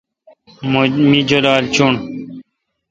می جولال چوݨڈ۔